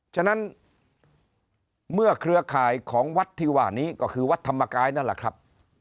ฉะนั้นเมื่อเครือข่ายของวัดที่ว่านี้ก็คือวัดธรรมกายนั่นแหละครับ